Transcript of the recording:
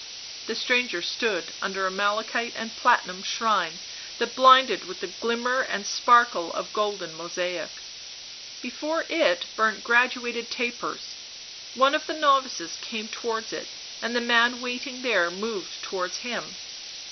The stranger stood under a malachite and platinum shrine that blinded with the glimmer and sparkle of golden mosaic ; before it burnt graduated tapers; one of the novices came towards it, and the man waiting there moved towards him.